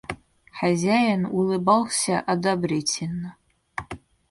Хозяин улыбался одобрительно.